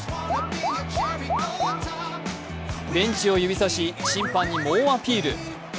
ベンチを指さし、審判に猛アピール。